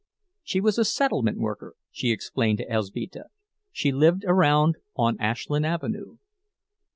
She was a "settlement worker," she explained to Elzbieta—she lived around on Ashland Avenue.